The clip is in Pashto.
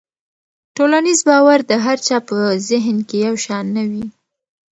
ټولنیز باور د هر چا په ذهن کې یو شان نه وي.